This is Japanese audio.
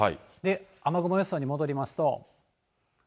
雨雲予想に戻りますと。